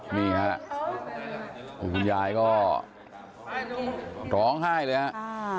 มีนะครับคุณยายก็ร้องไห้เลยนะฮะ